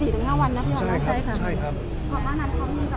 ถึงห้าวันนะครับใช่ครับใช่ครับขอแนะนำเขามีสังเกตหรือว่า